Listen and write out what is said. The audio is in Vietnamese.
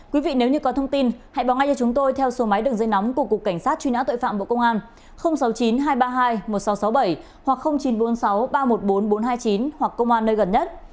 quý vị nếu như có thông tin hãy báo ngay cho chúng tôi theo số máy đường dây nóng của cục cảnh sát truy nã tội phạm bộ công an sáu mươi chín hai trăm ba mươi hai một nghìn sáu trăm sáu mươi bảy hoặc chín trăm bốn mươi sáu ba trăm một mươi bốn nghìn bốn trăm hai mươi chín hoặc công an nơi gần nhất